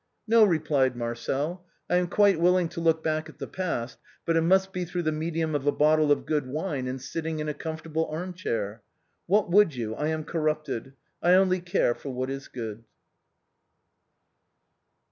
" No," replied Marcel ;" I am quite willing to look back at the past, but it must be through the medium of a bottle of good wine and sitting in a comfortable arm chair. What would you, I am corrupted. I only care for what is good!"